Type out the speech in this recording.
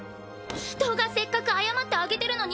人がせっかく謝ってあげてるのに！